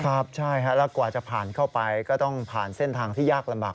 ครับใช่ครับแล้วกว่าจะผ่านเข้าไปก็ต้องผ่านเส้นทางที่ยากลำบาก